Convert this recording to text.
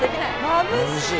まぶしい。